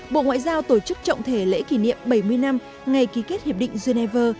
bộ ngoại giao tổ chức trọng thể lễ kỷ niệm bảy mươi năm ngày ký kết hiệp định geneva